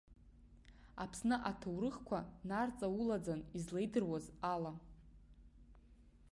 Аԥсны аҭоурыхқәа нарҵаулаӡан излеидыруаз ала.